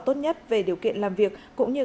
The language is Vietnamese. tốt nhất về điều kiện làm việc cũng như